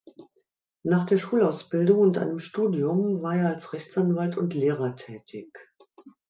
Nach der Schulausbildung und einem Studium war er als Rechtsanwalt und Lehrer tätig.